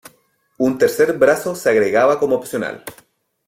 Un tercer brazo se agregaba como opcional.